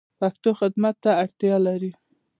پښتو خدمت ته اړتیا لری